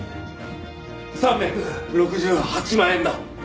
３６８万円だ。